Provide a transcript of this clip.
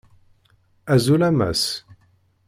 Azul a Mass!